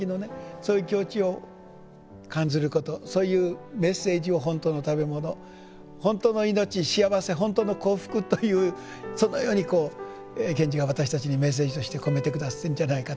そういう境地を感ずることそういうメッセージを「ほんたうのたべもの」「ほんたう」の命幸せ「ほんたう」の幸福というそのように賢治が私たちにメッセージとして込めて下さったんじゃないかと。